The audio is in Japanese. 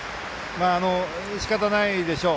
しかたないでしょう。